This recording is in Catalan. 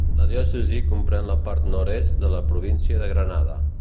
La diòcesi comprèn la part nord-est de la província de Granada.